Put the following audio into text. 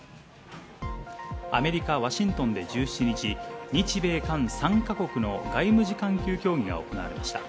アメリカ・ワシントンで１７日、日米韓３か国の外務次官級協議が行われました。